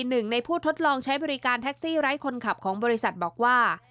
หนึ่งในผู้ทดลองใช้บริการแท็กซี่ไร้คนขับของบริษัทบอกว่า